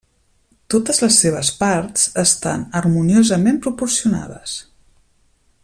Totes les seves parts estan harmoniosament proporcionades.